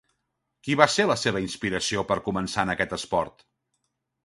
Qui va ser la seva inspiració per començar en aquest esport?